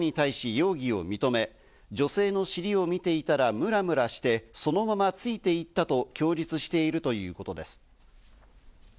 調べに対し容疑を認め、女性の尻を見ていたらムラムラして、そのままついていったと供述しているということです。